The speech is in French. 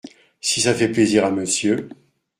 Si ça fait plaisir à Monsieur…